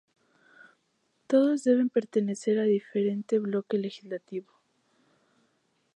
Todos deben pertenecer a diferente Bloque Legislativo.